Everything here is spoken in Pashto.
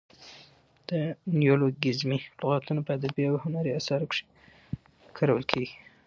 نیولوګیزمي لغاتونه په ادبي او هنري اثارو کښي کارول کیږي.